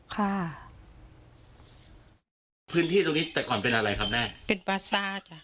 ค่ะพื้นที่ตรงนี้แต่ก่อนเป็นอะไรครับแม่เป็นปาซ่าจ้ะ